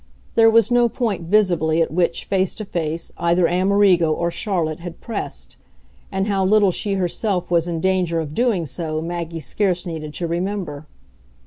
There was no point, visibly, at which, face to face, either Amerigo or Charlotte had pressed; and how little she herself was in danger of doing so Maggie scarce needed to remember.